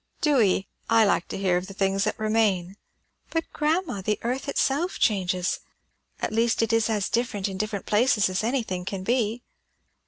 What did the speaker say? "Do 'ee? I like to hear of the things that remain." "But grandma! the earth itself changes; at least it is as different in different places as anything can be."